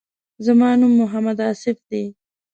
زما نوم محمد آصف دی.